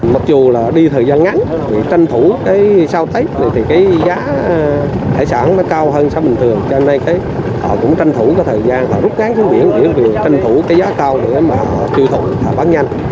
mặc dù là đi thời gian ngắn để tranh thủ cái sao tết này thì cái giá hải sản nó cao hơn sao bình thường cho nên cái họ cũng tranh thủ cái thời gian họ rút ngắn xuống biển để vừa tranh thủ cái giá cao để mà họ tiêu thụ họ bắt nhanh